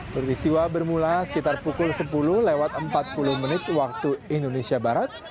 perisiwa bermula sekitar pukul sepuluh lewat empat puluh menit waktu indonesia barat